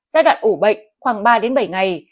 giai đoạn ủ bệnh khoảng ba bảy ngày